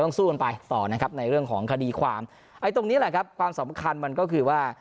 สู้กันไปต่อนะครับในเรื่องของคดีความไอ้ตรงนี้แหละครับความสำคัญมันก็คือว่า